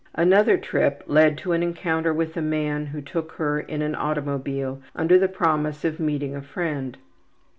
Another trip led to an encounter with a man who took her in an automobile under the promise of meeting a friend.